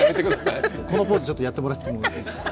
このポーズ、ちょっとやってもらってもいいですか？